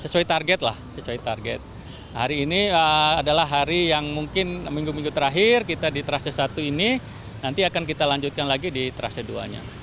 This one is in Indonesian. sesuai target lah sesuai target hari ini adalah hari yang mungkin minggu minggu terakhir kita di trase satu ini nanti akan kita lanjutkan lagi di trase dua nya